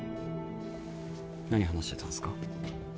何話してたんですか？